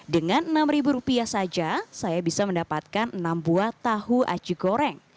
dengan enam rupiah saja saya bisa mendapatkan enam buah tahu aci goreng